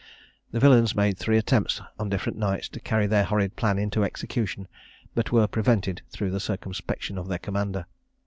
The villains made three attempts on different nights to carry their horrid plan into execution, but were prevented through the circumspection of their commander.